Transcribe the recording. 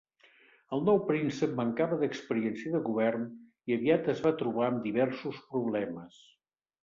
El nou príncep mancava d'experiència de govern, i aviat es va trobar amb diversos problemes.